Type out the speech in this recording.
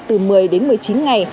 từ một mươi đến một mươi chín ngày